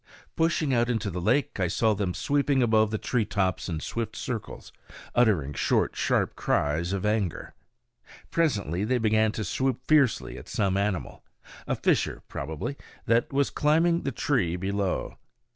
Pushing out into the lake, I saw them sweeping above the tree tops in swift circles, uttering short, sharp cries of anger. Presently they began to swoop fiercely at some animal a fisher, probably that was climbing the tree below.